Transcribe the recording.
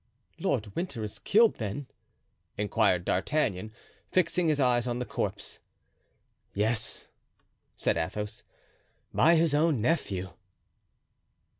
"Lord Winter is killed, then?" inquired D'Artagnan, fixing his eyes on the corpse. "Yes," said Athos, "by his own nephew."